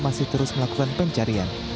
masih terus melakukan pencarian